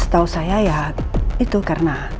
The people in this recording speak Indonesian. setahu saya ya itu karena